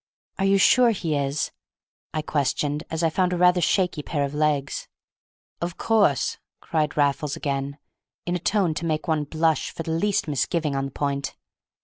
"Are you sure he is?" I questioned, as I found a rather shaky pair of legs. "Of course!" cried Raffles again, in the tone to make one blush for the least misgiving on the point.